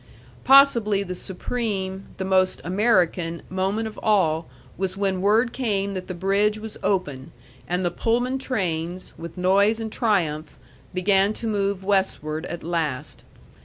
Possibly the supreme the most American moment of all was when word came that the bridge was open, and the Pullman trains, with noise and triumph, began to move westward at last.